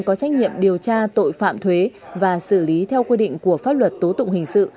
có trách nhiệm điều tra tội phạm thuế và xử lý theo quy định của pháp luật tố tụng hình sự